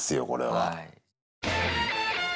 はい。